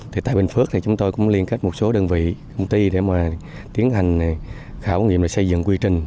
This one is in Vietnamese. thì tại bình phước thì chúng tôi cũng liên kết một số đơn vị công ty để mà tiến hành khảo nghiệm xây dựng quy trình